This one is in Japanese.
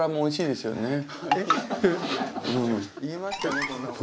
いいですよね